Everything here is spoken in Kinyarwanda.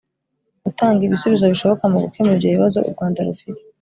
gutanga ibisubizo bishoboka mu gukemura ibyo bibazo u rwanda rufite